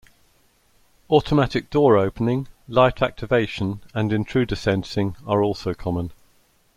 Automatic door opening, light activation and intruder sensing are also common.